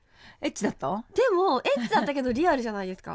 でもエッチだったけどリアルじゃないですか。